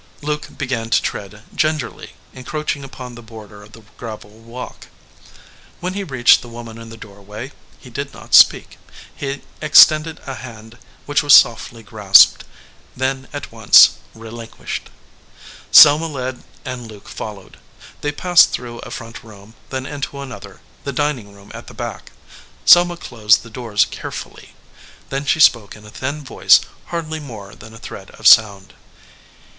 Luke began to tread gingerly, encroaching upon the border of the gravel walk. When he reached the woman in the doorway he did not speak. He extended a hand, which was softly grasped, then at once relinquished. Selma led and Luke followed. They passed through a front room, then into another, the dining room at the back. Selma closed the doors care fully. Then she spoke in a thin voice, hardly more than a thread of sound.